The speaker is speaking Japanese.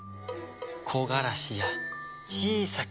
木枯らしや小さき